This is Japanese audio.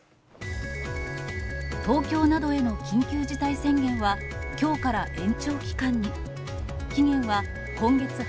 東京などへの緊急事態宣言は、きょうから延長期間に。